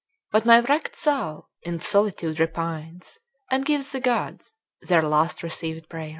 But my wrack'd soul in solitude repines And gives the Gods their last receivèd pray'r.